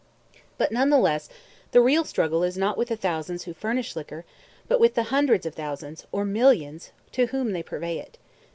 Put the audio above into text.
But none the less the real struggle is not with the thousands who furnish liquor but with the hundreds of thousands, or millions, to whom they purvey it.